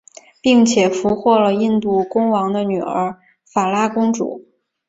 并且俘获了印度公王的女儿法拉公主。